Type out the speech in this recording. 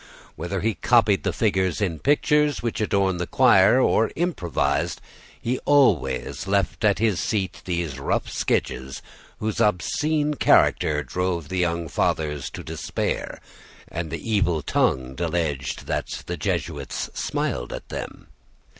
Whether he copied the figures in the pictures which adorned the choir, or improvised, he always left at this seat rough sketches, whose obscene character drove the young fathers to despair; and the evil tongued alleged that the Jesuits smiled at them.